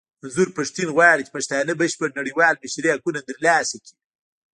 منظور پښتين غواړي چې پښتانه بشپړ نړېوال بشري حقونه ترلاسه کړي.